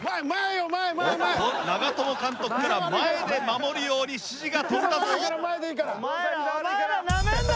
長友監督から前で守るように指示が飛んだぞ。